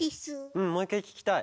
うんもう１かいききたい。